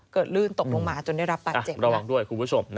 เกิดลื่นตกลงมาจนได้รับปากเจ็บมาก